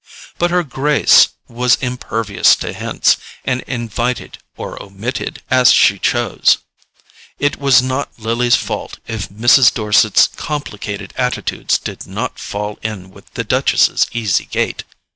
But her grace was impervious to hints, and invited or omitted as she chose. It was not Lily's fault if Mrs. Dorset's complicated attitudes did not fall in with the Duchess's easy gait.